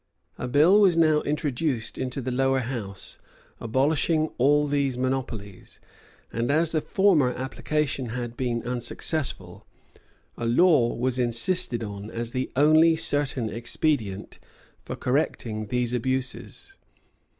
A bill was now introduced into the lower house, abolishing all these monopolies; and as the former application had been unsuccessful, a law was insisted on as the only certain expedient for correcting these abuses.